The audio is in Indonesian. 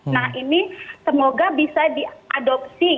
nah ini semoga bisa diadopsi